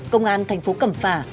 công an thành phố cầm phà